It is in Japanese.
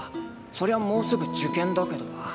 そりゃもうすぐ受験だけど。